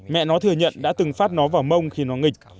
mẹ nó thừa nhận đã từng phát nó vào mông khi nó nghịch